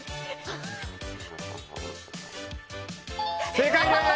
正解です！